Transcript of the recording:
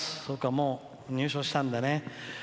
そうか、もう入所したんだね。